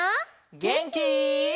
げんき？